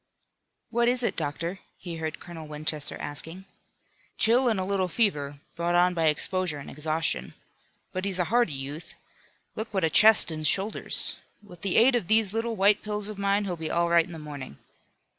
"What is it, doctor?" he heard Colonel Winchester asking. "Chill and a little fever, brought on by exposure and exhaustion. But he's a hardy youth. Look what a chest and shoulders! With the aid of these little white pills of mine he'll be all right in the morning.